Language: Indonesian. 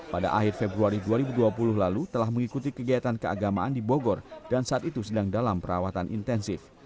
pada akhir februari dua ribu dua puluh lalu telah mengikuti kegiatan keagamaan di bogor dan saat itu sedang dalam perawatan intensif